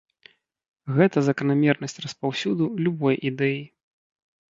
Гэта заканамернасць распаўсюду любой ідэі.